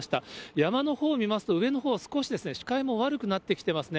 山のほう見ますと、上のほう、少し視界も悪くなってきてますね。